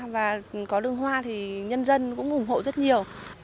và có đường hoa thì nhân dân cũng ủng hộ rất nhiều